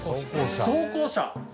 装甲車？